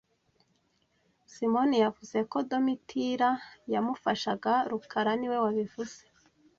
Simoni yavuze ko Domitira yamufashaga rukara niwe wabivuze